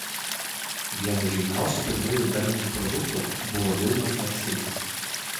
Vienas žymiausių pirmųjų „Benetton“ produktų buvo vilnos megztinis.